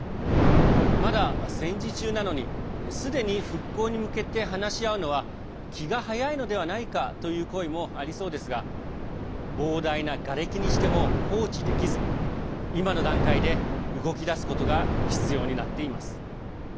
まだ戦時中なのにすでに復興に向けて話し合うのは気が早いのではないかという声もありそうですが膨大ながれきにしても放置できず今の段階で動きだすことが必要になっています。